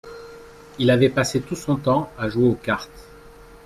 Il avait passé tout son temps à jouer aux cartes.